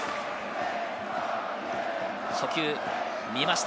初球、見ました。